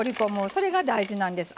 それが大事なんです。